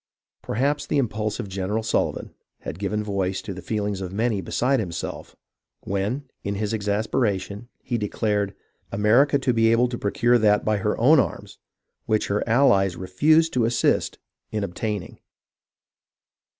Perhaps the impulsive General Sullivan had given voice to the feelings of many besides himself when, in his exasperation, he declared "America to be able to procure that by her own arms which her allies refused to assist in obtaining."